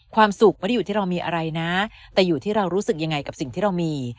ความสุขไม่ได้อยู่ที่เรามีอะไรนะแต่อยู่ที่เรารู้สึกยังไงกับสิ่งที่เรามี